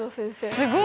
すごい。